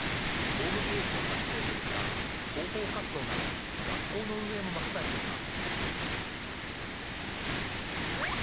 ホームページの作成といった、広報活動など、学校の運営も任されています。